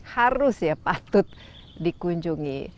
harus ya patut dikunjungi